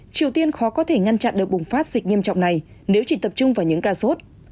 triều tiên khó có thể ngăn chặn được bùng phát dịch nghiêm trọng này nếu chỉ tập trung vào những ca sốt